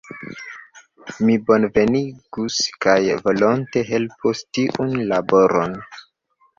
Mi bonvenigus kaj volonte helpus tiun laboron.